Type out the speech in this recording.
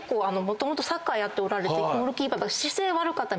サッカーやっててゴールキーパー姿勢悪かったり。